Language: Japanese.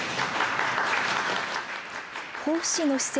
防府市の施設